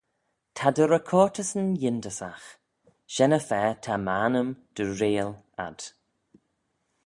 Ta dty recortyssyn yindyssagh: shen-y-fa ta m'annym dy reayll ad.